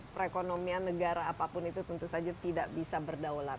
perekonomian negara apapun itu tentu saja tidak bisa berdaulat